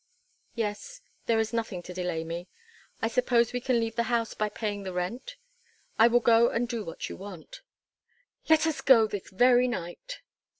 "Yes; there is nothing to delay me. I suppose we can leave the house by paying the rent? I will go and do what you want." "Let us go this very night."